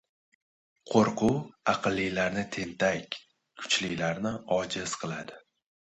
Qo‘rquv aqllilarni tentak, kuchlilarni ojiz qiladi.